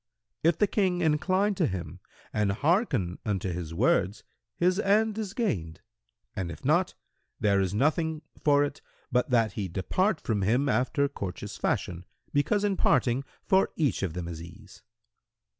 If the King incline to him and hearken unto his words, his end is gained, and if not, there is nothing for it but that he depart from him after courteous fashion, because in parting for each of them is ease."